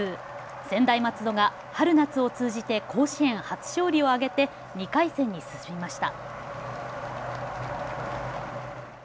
専大松戸が春夏を通じて甲子園初勝利を挙げて２回戦に進みました。